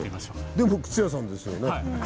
でも靴屋さんですよね。